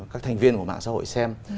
các thành viên của mạng xã hội xem